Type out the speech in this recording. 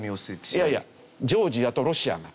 いやいやジョージアとロシアが。